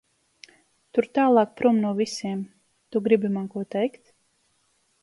Tur tālāk prom no visiem. Tu gribi man ko teikt?